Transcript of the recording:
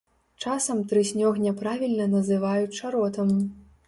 Часам трыснёг няправільна называюць чаротам.